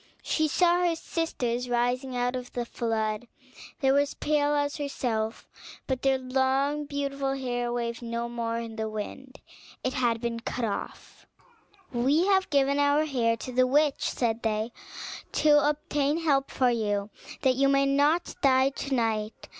She saw her sisters rising out of the flood: they were as pale as herself; but their long beautiful hair waved no more in the wind, and had been cut off. "We have given our hair to the witch," said they, "to obtain help for you, that you may not die to night.